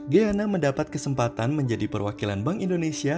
gehana mendapat kesempatan menjadi perwakilan bank indonesia